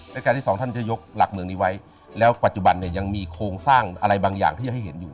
และการที่สองท่านจะยกหลักเมืองนี้ไว้แล้วปัจจุบันเนี่ยยังมีโครงสร้างอะไรบางอย่างที่จะให้เห็นอยู่